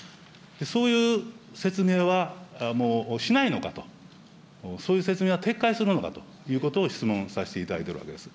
そういう説明はもうしないのかと、そういう説明は撤回するのかということを、質問させていただいているわけです。